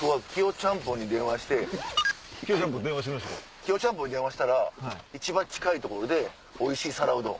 ちゃんぽんに電話したら一番近いところでおいしい皿うどん。